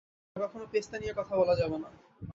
আর কখনো পেস্তা নিয়ে কথা বলা যাবেনা।